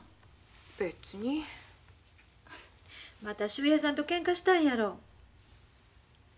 また秀平さんとけんかしたんやろ。